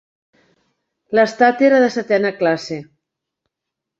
L'estat era de setena classe.